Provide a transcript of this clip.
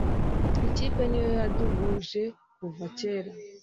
ikipe niyo yaduhuje kuva kera